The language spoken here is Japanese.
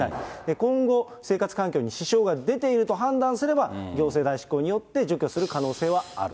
今後、生活環境に支障が出ていると判断すれば、行政代執行によって除去する可能性はあると。